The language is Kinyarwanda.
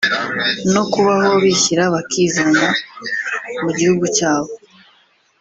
no kubaho bishyira bakizana mu gihugu cyabo